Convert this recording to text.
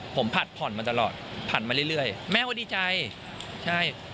ผมผัดผ่อนมาตลอดผ่านมาเรื่อยแม่ก็ดีใจใช่